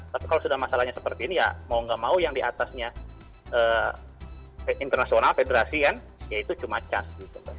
tapi kalau sudah masalahnya seperti ini ya mau nggak mau yang diatasnya internasional federasi kan ya itu cuma cas